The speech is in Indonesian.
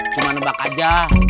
cuma nebak aja